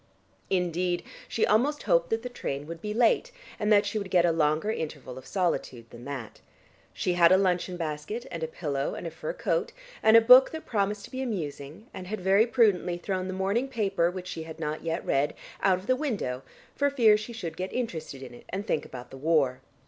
Indeed, she almost hoped that the train would be late, and that she would then get a longer interval of solitude than that. She had a luncheon basket, and a pillow, and a fur coat, and a book that promised to be amusing, and had very prudently thrown the morning paper, which she had not yet read, out of the window, for fear she should get interested in it and think about the war.